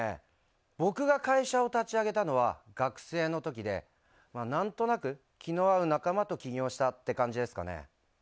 僕が会社を立ち上げたのは学生の時で何となく気の合う仲間と起業したって感じですかね。